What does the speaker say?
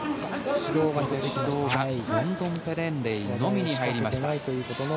指導がヨンドンペレンレイのみに入りました。